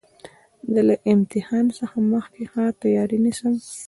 زه له امتحان څخه مخکي ښه تیاری نیسم.